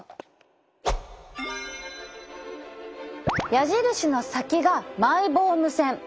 矢印の先がマイボーム腺。